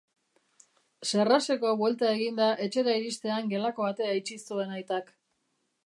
Serraseko buelta eginda etxera iristean gelako atea itxi zuen aitak.